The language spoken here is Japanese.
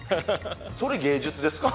それ芸術ですか？